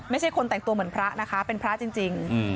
ไม่ใช่คนแต่งตัวเหมือนพระนะคะเป็นพระจริง